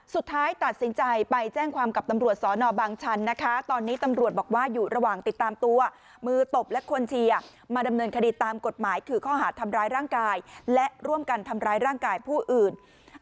สุดท้ายตัดสินใจไปแจ้งความกับตำรวจสอนอบางชันนะคะตอนนี้ตำรวจบอกว่าอยู่ระหว่างติดตามตัวมือตบและคนเชียร์มาดำเนินคดีตามกฎหมายคือข้อหาดทำร้ายร่างกายและร่วมกันทำร้ายร่างกายผู้อื่น